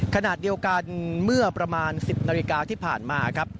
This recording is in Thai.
ขณะเดียวกันเมื่อประมาณ๑๐นาฬิกาที่ผ่านมาครับ